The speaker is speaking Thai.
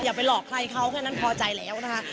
อย่าไปหลอกใครเขาแค่นั้นพอใจแล้วนะคะ